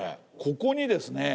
ここにですね